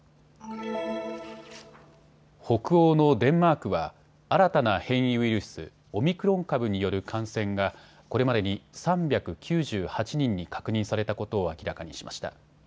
北欧のデンマークは新たな変異ウイルス、オミクロン株による感染がこれまでに３９８人に確認されたことを明らかにしました。